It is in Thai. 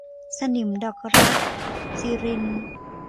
สนิมดอกรัก - สิริณ